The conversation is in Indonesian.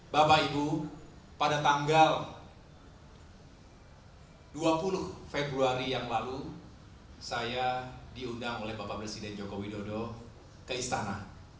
bapak ibu pada tanggal dua puluh februari yang lalu saya diundang oleh bapak presiden joko widodo ke istana